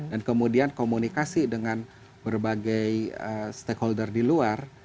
dan kemudian komunikasi dengan berbagai stakeholder di luar